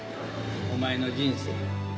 お前の人生や。